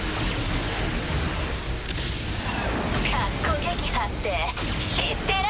各個撃破って知ってる？